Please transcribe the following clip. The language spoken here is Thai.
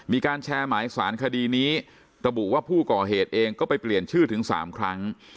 มีการแชร์หมายสารคดีนี้ระบุว่าผู้ก่อเหตุเองก็ไปเปลี่ยนชื่อถึง๓ครั้ง